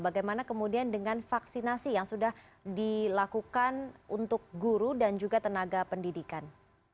bagaimana kemudian dengan vaksinasi yang sudah dilakukan untuk guru dan juga tenaga pendidikan